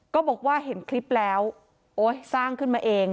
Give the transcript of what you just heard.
ก็บอกว่าเห็นคลิปแล้วโอ๊ยสร้างขึ้นมาเอง